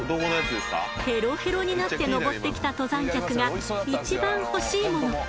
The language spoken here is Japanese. ヘロヘロになって登ってきた登山客がいちばん欲しいもの。